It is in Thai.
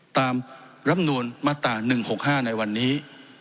ตามรำนวนมาตรา๑๖๕ในวันนี้